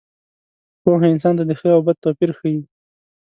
پوهه انسان ته د ښه او بد توپیر ښيي.